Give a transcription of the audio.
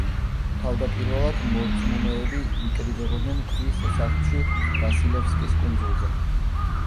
თავდაპირველად მორწმუნეები იკრიბებოდნენ ქვის სახლში ვასილევსკის კუნძულზე.